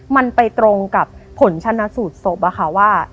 มันไปตรงกับผลชนะสูตรศพอะค่ะว่า